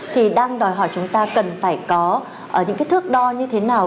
thì đang đòi hỏi chúng ta cần phải có những cái thước đo như thế nào